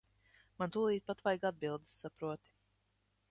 Man tūlīt pat vajag atbildes, saproti.